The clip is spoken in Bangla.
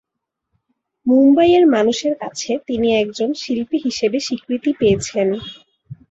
মুম্বইয়ের মানুষের কাছে তিনি একজন শিল্পী হিসেবে স্বীকৃতি পেয়েছেন।